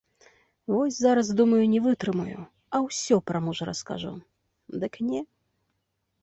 Вось зараз, думаю, не вытрымаю, а ўсё пра мужа раскажу, дык не.